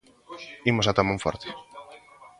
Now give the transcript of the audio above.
Imos ata Monforte.